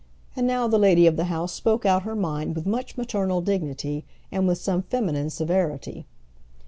And now the lady of the house spoke out her mind with much maternal dignity and with some feminine severity.